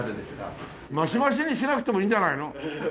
増し増しにしなくてもいいんじゃないの？